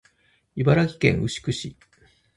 茨城県牛久市